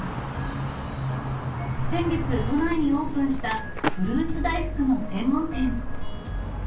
先月、都内にオープンしたフルーツ大福の専門店。